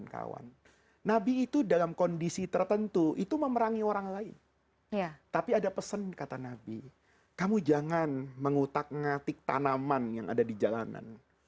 kamu jangan mengutak ngatik tanaman yang ada di jalanan